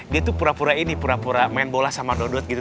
dia tuh pura pura ini pura pura main bola sama dodot gitu